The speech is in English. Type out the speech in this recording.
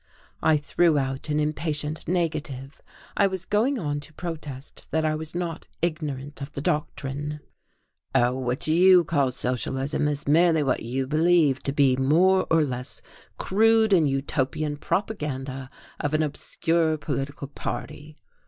I threw out an impatient negative. I was going on to protest that I was not ignorant of the doctrine. "Oh, what you call socialism is merely what you believe to be the more or less crude and utopian propaganda of an obscure political party.